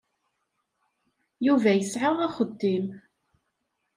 Yuba yesɛa axeddim.